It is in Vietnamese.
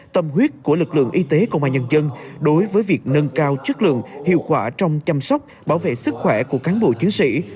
tâm huyết của lực lượng y tế công an nhân dân đối với việc nâng cao chất lượng hiệu quả trong chăm sóc bảo vệ sức khỏe của cán bộ chiến sĩ